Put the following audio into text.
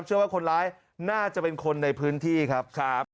เชื่อว่าคนร้ายน่าจะเป็นคนในพื้นที่ครับ